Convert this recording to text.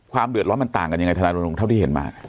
ความเดือดร้อนมันต่างกันยังไงธนาโลกรุงเท่าที่เห็นมา